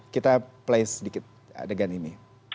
kita place sedikit adegan ini